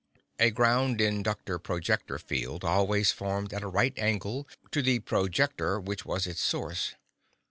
A ground inductor projector field always formed at a right angle to the projector which was its source.